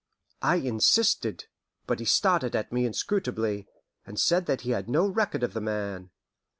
I insisted, but he stared at me inscrutably, and said that he had no record of the man.